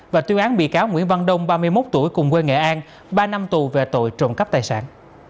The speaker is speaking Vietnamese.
và tuyên án bị cáo nguyễn văn đông ba mươi một tuổi cùng quê nghệ an ba năm tù về tội trộm cắp tài sản